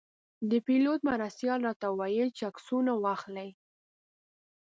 د پیلوټ مرستیال راته ویل چې عکسونه واخلئ.